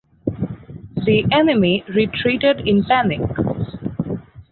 The enemy retreated in panic.